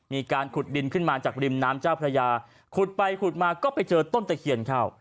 มีการขุดดินขึ้นมาจากริมน้ำเจ้าพระยาขุดไปขุดมาก็ไปเจอต้นตะเคียนเข้า